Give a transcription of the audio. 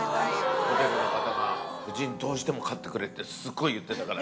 ホテルの方が夫人、どうしても勝ってくれって、すごい言ってたから。